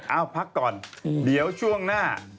เอาพักก่อนเดี๋ยวช่วงหน้า